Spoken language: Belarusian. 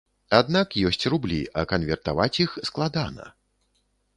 Аднак ёсць рублі, а канвертаваць іх складана.